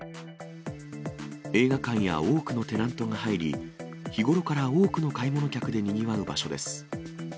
映画館や多くのテナントが入り、日頃から多くの買い物客でにぎわう場所です。